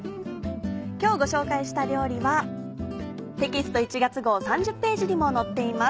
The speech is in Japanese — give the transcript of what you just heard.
今日ご紹介した料理はテキスト１月号３０ページにも載っています。